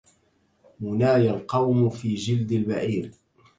منايا القوم في جلد البعير